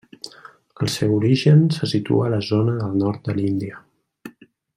El seu origen se situa a la zona del nord de l'Índia.